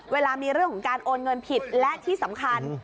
เวลามีเรื่องของการโอนเงินผิดและที่สำคัญ